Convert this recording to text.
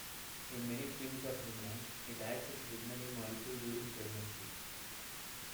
In many species of ruminant, it acts as a signaling molecule during pregnancy.